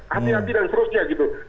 hati hati dan seterusnya gitu